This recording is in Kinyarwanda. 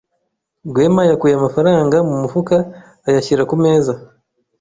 Rwema yakuye amafaranga mu mufuka ayashyira ku meza.